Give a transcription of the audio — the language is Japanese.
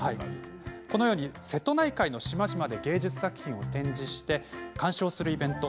このように瀬戸内海の島々で芸術作品を展示して鑑賞するイベント